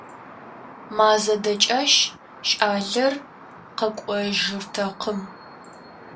Мазэ дэкӀащ, щӏалэр къэкӀуэжыртэкъым.